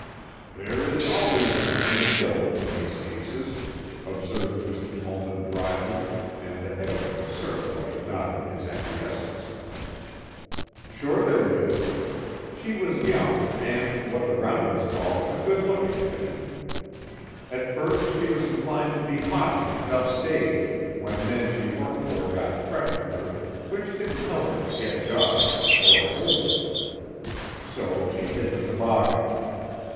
"There is always an 'until' in these cases," observed Mr. Tollman dryly and the head of the "Searchlight" nodded his acquiescence. "Sure there is. She was young and what the rounders call a good looking chicken. At first she was inclined to be haughty and upstage when men she worked for got fresh with her which didn't help her to get jobs or hold them. So she hit the toboggan.